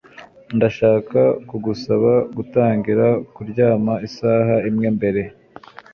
Ndashaka kugusaba gutangira kuryama isaha imwe mbere